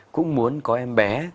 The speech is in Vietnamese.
cũng muốn có em bé